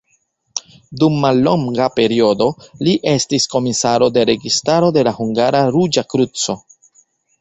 Dum mallonga periodo, li estis komisaro de registaro de la Hungara Ruĝa Kruco.